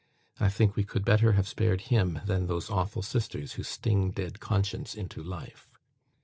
I think we could better have spared him than those awful Sisters who sting dead conscience into life.